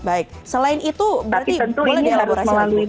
baik selain itu berarti boleh dielaborasi lagi